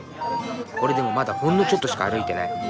これでもまだほんのちょっとしか歩いてない。